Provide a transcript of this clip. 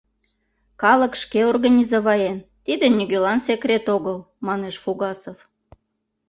— Калык шке организоваен, тиде нигӧлан секрет огыл, — манеш Фугасов.